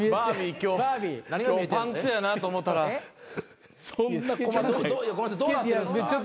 今日パンツやなと思うたらそんな細かい。